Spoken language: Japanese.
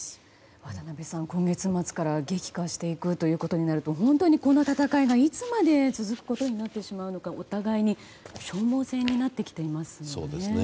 渡辺さん、今月末から激化していくということになると本当に、この戦いがいつまで続くことになってしまうのかお互いに消耗戦になってきていますよね。